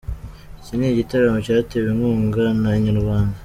Iki ni igitaramo cyatewe inkunga na Inyarwanda.